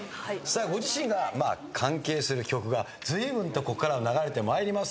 ご自身が関係する曲がずいぶんとここから流れてまいります。